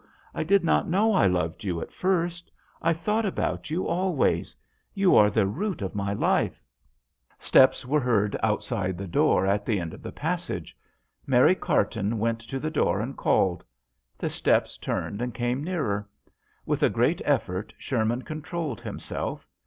I did not know I loved you at first. I thought about you always. You are the root of my life/ 1 JOHN SHERMAN. 163 Steps were heard outside the door at the end of a passage. Mary Carton went to the door and called. The steps turned and came nearer. With a great effort Sherman controlled him self.